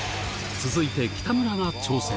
続いて北村が挑戦。